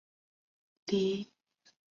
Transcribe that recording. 李弼雨是钟表店老板的儿子。